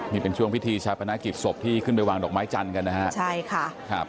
นี่เป็นช่วงพิธีชาปนกิจศพที่ขึ้นไปวางดอกไม้จันทร์กันนะฮะใช่ค่ะครับ